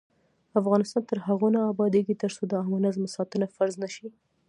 افغانستان تر هغو نه ابادیږي، ترڅو د عامه نظم ساتنه فرض نشي.